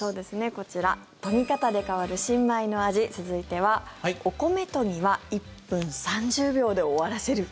こちら研ぎ方で変わる新米の味続いては、お米研ぎは１分３０秒で終わらせる。